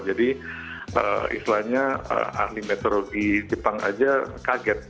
jadi istilahnya ahli meteorologi jepang aja kaget